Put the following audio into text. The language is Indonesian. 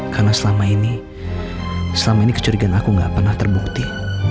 karena selama ini selama ini kecurigaan aku gak pernah terbukti